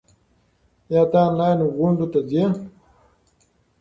ایا ته آنلاین غونډو ته ځې؟